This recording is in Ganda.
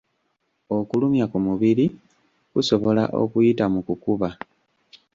Okulumya ku mubiri kusobola okuyita mu kukuba.